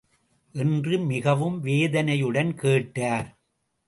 என்று மிகவும் வேதனையுடன் கேட்டார்.